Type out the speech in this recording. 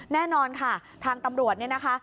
แน่นอนค่ะทางตำรวจเนี่ยนะคะ